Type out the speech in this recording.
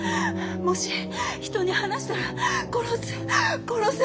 もし人に話したら殺す。